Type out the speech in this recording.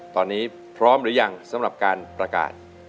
ตอนนี้พร้อมหรือยังสำหรับการประกาศ